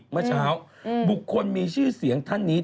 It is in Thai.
เมื่อเช้าบุคคลมีชื่อเสียงท่านนี้